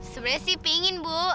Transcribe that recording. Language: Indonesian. sebenarnya sih pingin bu